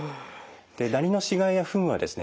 でダニの死骸やフンはですね